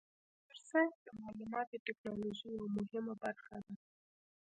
کمپیوټر ساینس د معلوماتي تکنالوژۍ یوه مهمه برخه ده.